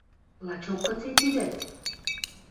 Лачок гыце тидӹ?!